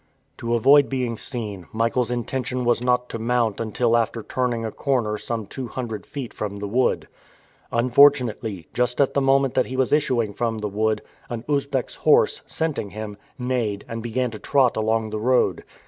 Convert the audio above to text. To avoid being seen, Michael's intention was not to mount until after turning a corner some two hundred feet from the wood. Unfortunately, just at the moment that he was issuing from the wood, an Usbeck's horse, scenting him, neighed and began to trot along the road.